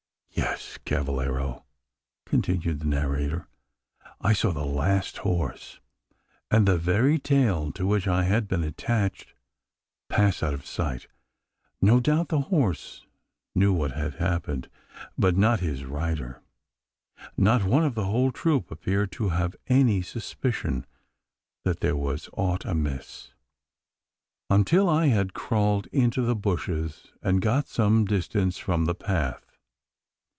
Yes, cavallero!" continued the narrator, "I saw the last horse, and the very tail to which I had been attached, pass out of sight. No doubt the horse knew what had happened, but not his rider. Not one of the whole troop appeared to have any suspicion that there was aught amiss until I had crawled into the bushes, and got some distance from the path.